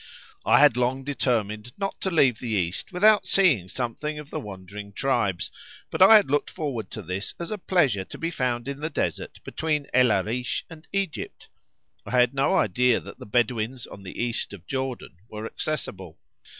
I had long determined not to leave the East without seeing something of the wandering tribes, but I had looked forward to this as a pleasure to be found in the desert between El Arish and Egypt; I had no idea that the Bedouins on the east of Jordan were accessible.